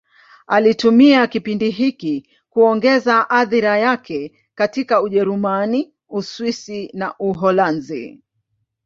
Alitumia kipindi hiki kuongeza athira yake katika Ujerumani, Uswisi na Uholanzi.